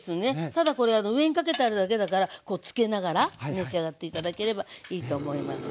ただこれ上にかけてあるだけだからこうつけながら召し上がって頂ければいいと思います。